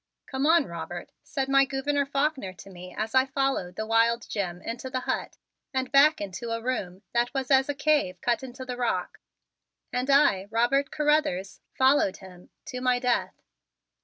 "Come on, Robert," said my Gouverneur Faulkner to me as he followed the wild Jim into the hut and back into a room that was as a cave cut into the rock. And I, Robert Carruthers, followed him to my death.